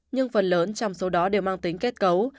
nhưng phần lớn trong số đó đều mang tính kết cấu